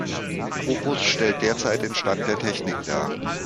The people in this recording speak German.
Opus stellt derzeit den Stand der Technik dar.